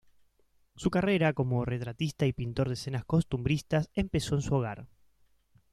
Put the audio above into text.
Su carrera como retratista y pintor de escenas costumbristas empezó en su hogar.